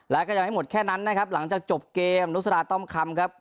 แล้วก็ยังไม่หมดแค่นั้นนะครับหลังจากจบเกมนุสราต้อมคำครับ